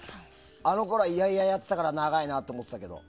あのころは、嫌々やってたから長いなと思ってたけど。